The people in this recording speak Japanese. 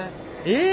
え！